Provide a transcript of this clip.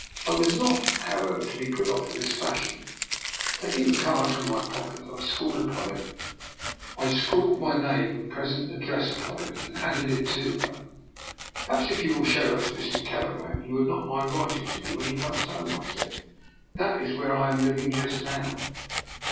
I was not, however, to be put off in this fashion. Taking a card from my pocket, I scrawled my name and present address upon it and handed it to her. " Perhaps if you will show that to Mr. Kelleran he would not mind writing to me when he comes home," I said. " That is where I am living just now."